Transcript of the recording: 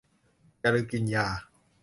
อย่าลืมกินยา